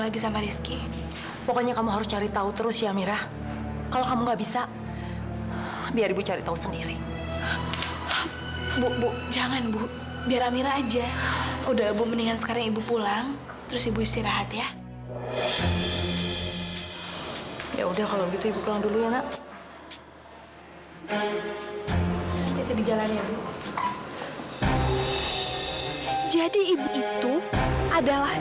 apa saya harus ganti sepion itu dua juta